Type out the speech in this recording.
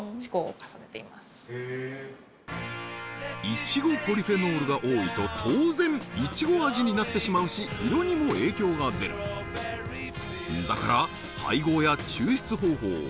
イチゴポリフェノールが多いと当然イチゴ味になってしまうし色にも影響が出るだから配合や抽出方法